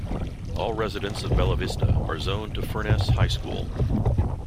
All residents of Bella Vista are zoned to Furness High School.